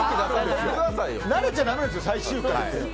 慣れちゃだめなんですよ最終回。